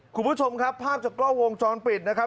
คุณผู้ชมครับภาพจากกล้องวงจรปิดนะครับ